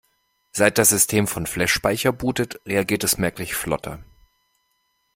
Seit das System von Flashspeicher bootet, reagiert es merklich flotter.